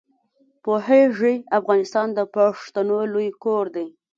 پوهېږې افغانستان د پښتنو لوی کور دی.